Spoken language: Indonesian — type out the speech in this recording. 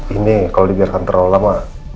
ini kalau dibiarkan terlalu lama